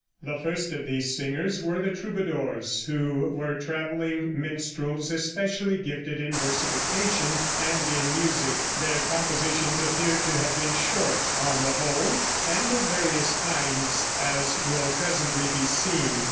The first of these singers were the troubadours, who were traveling minstrels especially gifted in versification and in music. Their compositions appear to have been short, on the whole, and of various kinds, as will presently be seen.